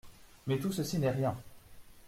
Mais tout ceci n'est rien.